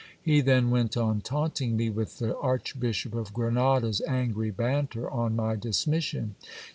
He then went on taunt ing me with the archbishop of Grenada's angry banter on my dismission.